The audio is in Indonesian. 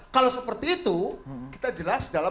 kalau seperti itu kita jelas dalam